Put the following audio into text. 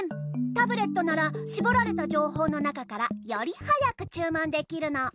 タブレットならしぼられたじょうほうのなかからよりはやくちゅうもんできるの。